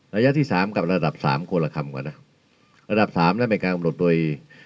ระยะที่สามกับระดับสามคนละคำก่อนนะระดับสามนั่นเป็นการกำหนดโดย